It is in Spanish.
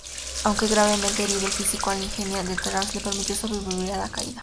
Aunque gravemente herido, el físico alienígena de Terrax le permitió sobrevivir a la caída.